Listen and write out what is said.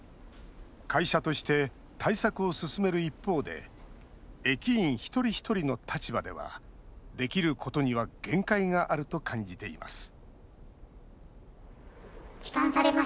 会社として、対策を進める一方で駅員一人一人の立場ではできることには限界があると感じています